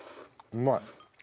うまい。